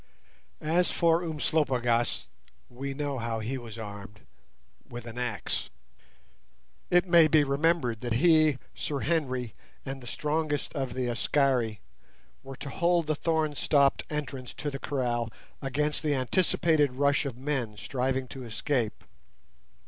As for Umslopogaas, we know how he was armed—with an axe. It may be remembered that he, Sir Henry, and the strongest of the Askari were to hold the thorn stopped entrance to the kraal against the anticipated rush of men striving to escape.